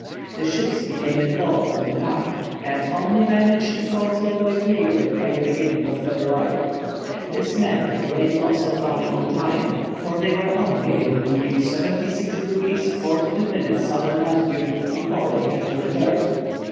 The ships became involved in the pack, and only managed to force their way clear by the beginning of February. This meant a great loss of valuable time, for they were only able to reach 76° 42' S. latitude before they had to return.